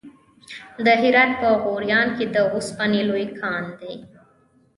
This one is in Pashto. د هرات په غوریان کې د وسپنې لوی کان دی.